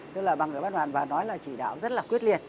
tức là bằng cái văn bản và nói là chỉ đạo rất là quyết liệt